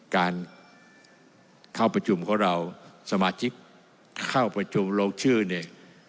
การเข้าประชุมของเราสมาชิกเข้าประชุมลงชื่อเนี่ย